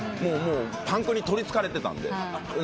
もうパンクに取りつかれてたんで。